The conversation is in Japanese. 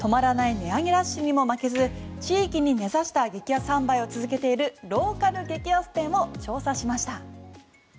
値上げラッシュにも負けず地域に根ざした激安販売を続けているローカル激安店を調査しました。